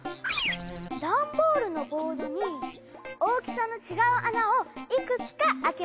ダンボールのボードに大きさの違う穴をいくつか開けます。